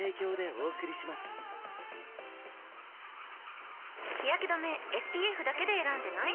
僕が日やけ止めＳＰＦだけで選んでない？